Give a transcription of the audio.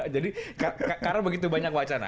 jadi karena begitu banyak wacana